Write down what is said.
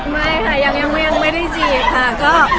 ไม่ค่ะยังไม่ได้จีบค่ะ